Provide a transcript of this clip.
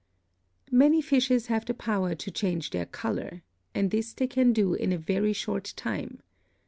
Many fishes have the power to change their color, and this they can do in a very short time.